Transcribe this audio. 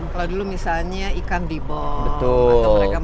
kalau dulu misalnya ikan dibong